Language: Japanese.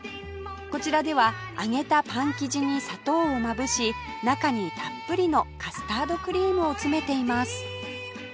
こちらでは揚げたパン生地に砂糖をまぶし中にたっぷりのカスタードクリームを詰めています